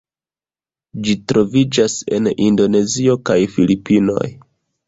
Ĝi troviĝas en Indonezio kaj Filipinoj.